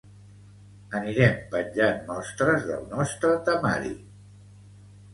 Anirem penjant mostres del nostre temari.